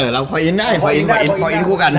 แล้วพออิ้นท์ได้พออิ้นท์คู่กัน